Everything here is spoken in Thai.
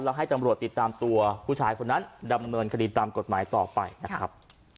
แล้วให้ตำรวจติดตามตัวผู้ชายคนนั้นดำเนินคดีตามกฎหมายต่อไปนะครับ